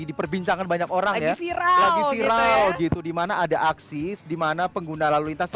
diperbincangkan banyak orang ya lagi viral gitu dimana ada aksi dimana pengguna lalu lintas